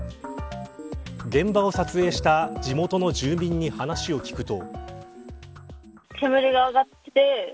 現場を撮影した地元の住民に話を聞くと。